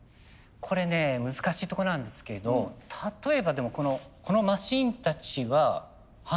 これね難しいとこなんですけど例えばでもこのマシーンたちは華があるんですよ。